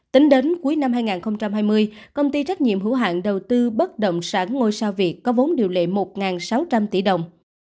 tính đến cuối năm hai nghìn hai mươi công ty trách nhiệm hữu hạn đầu tư bất động sản ngôi sao việt có vốn điều lệ một sáu trăm linh tỷ đồng